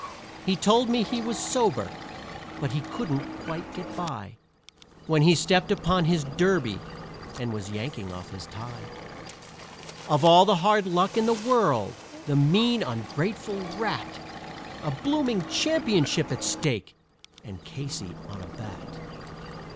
He told me he was sober, but he couldn't quite get by When he stepped upon his derby and was yanking off his tie. Of all the hard luck in the world! The mean, ungrateful rat! A blooming championship at stake and Casey on a bat."